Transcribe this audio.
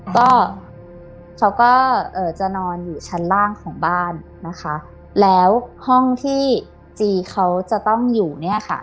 ก็เขาก็เอ่อจะนอนอยู่ชั้นล่างของบ้านนะคะแล้วห้องที่จีเขาจะต้องอยู่เนี่ยค่ะ